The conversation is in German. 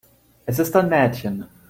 Es ist ein Mädchen.